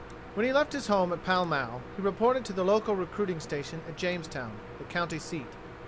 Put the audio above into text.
When he left his home at Pall Mall he reported to the local recruiting station at Jamestown, the county seat.